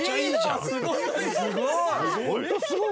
すごい！